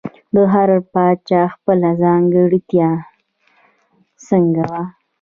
د هر پاچا خپله ځانګړې سکه وه